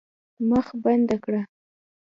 مخ بنده کړه.